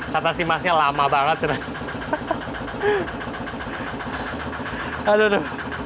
kata si masnya lama banget ya